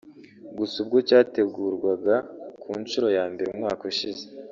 Gusa ubwo cyategurwaga ku nshuro ya mbere umwaka ushize